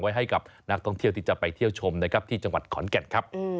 ให้กับนักท่องเที่ยวที่จะไปเที่ยวชมนะครับที่จังหวัดขอนแก่นครับ